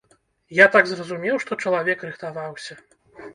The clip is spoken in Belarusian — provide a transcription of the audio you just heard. Я так зразумеў, што чалавек рыхтаваўся.